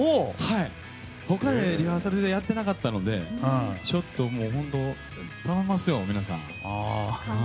僕ら、リハーサルでしかやってなかったので本当頼みますよ、皆さん。